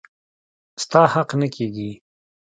ستا حق نه کيږي.